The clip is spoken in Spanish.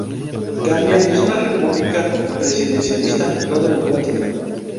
Gambia es una república presidencialista no democrática.